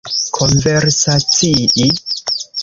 konversacii